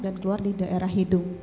dan keluar di daerah hidung